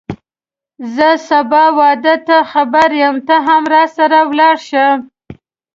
زه سبا واده ته خبر یم ته هم راسره ولاړ شه